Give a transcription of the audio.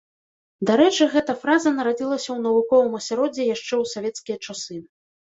Дарэчы, гэтая фраза нарадзілася ў навуковым асяроддзі яшчэ ў савецкія часы.